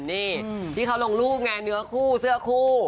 นี่นี่เขายังรวมรูปไงเนื้อขู้เสื้อคู่